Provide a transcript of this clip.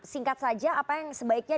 singkat saja apa yang sebaiknya